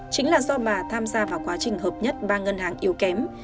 chính là do bà tham gia vào quá trình hợp nhất ba ngân hàng yếu kém